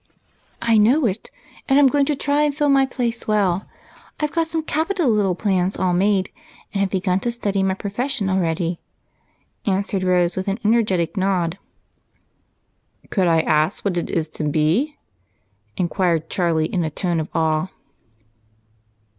"I know it, and I'm going to try and fill my place well. I've got some capital little plans all made, and have begun to study my profession already," answered Rose with an energetic nod. "Could I ask what it is to be?" inquired Charlie in a tone of awe.